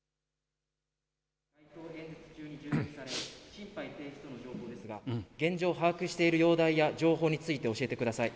心肺停止との状況ですが現状把握している容体や情報について教えてください。